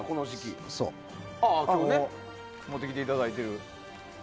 今日持ってきていただいている。